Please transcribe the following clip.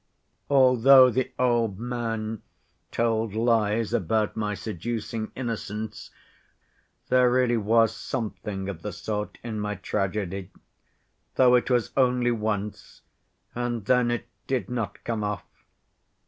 Although the old man told lies about my seducing innocence, there really was something of the sort in my tragedy, though it was only once, and then it did not come off.